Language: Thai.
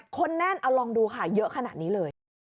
คนแน่นเอาลองดูค่ะเยอะขนาดนี้เลย